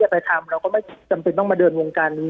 ปากกับภาคภูมิ